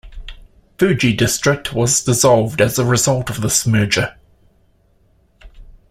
Fuji District was dissolved as a result of this merger.